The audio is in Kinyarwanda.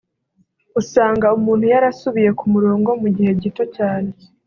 usanga umuntu yarasubiye ku murongo mu gihe gito cyane